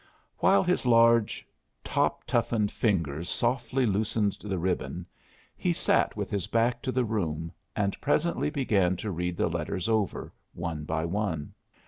While his large, top toughened fingers softly loosened the ribbon, he sat with his back to the room and presently began to read the letters over, one by one.